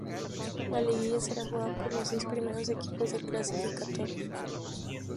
La liguilla será jugada por los seis primeros equipos del clasificatorio.